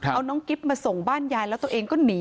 เอาน้องกิ๊บมาส่งบ้านยายแล้วตัวเองก็หนี